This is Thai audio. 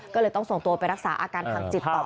ก็เลยต้องส่งตัวไปรักษาอาการทางจิตต่อ